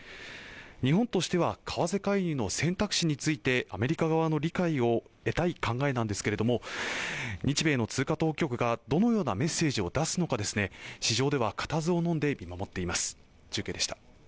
日本としては為替介入の選択肢についてアメリカ側の理解を得たい考えなんですけれども日米の通貨当局がどのようなメッセージを出すのか市場では固唾をのんで見守っています